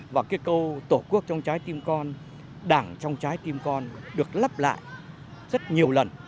và cái câu tổ quốc trong trái tim con đảng trong trái tim con được lắp lại rất nhiều lần